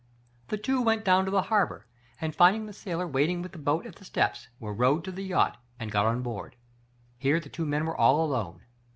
The two went down to the harbor, and find ing the sailor waiting with the boat at the steps, were rowed to the yacht and got on board. Here the two men were all alone.